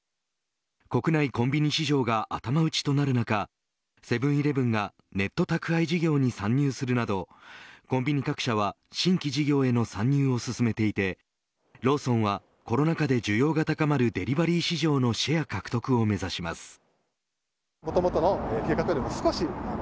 国内コンビニ市場が頭打ちとなる中セブン‐イレブンがネット宅配事業に参入するなどコンビニ各社は新規事業への参入を進めていてローソンは、コロナ禍で需要が高まるデリバリー市場のシェア獲得を目指します。